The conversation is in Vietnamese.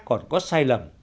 còn có sai lầm